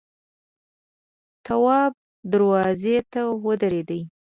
تواب دروازې ته ودرېد.